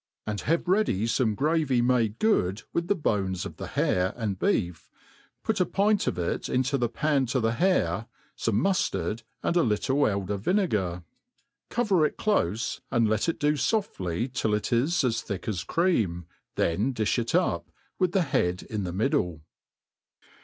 MADE PLAIN AND EASY. loj and have ready foiQe gravy made good with Ike bones of the hafe and beef, put a pint of it into the pan tp the hare, fome mnftard, and a little elder vinegar ; cover it clofe, and let it do foftly till it is as thick as cream, then di(h it up, with the' bead is the middle.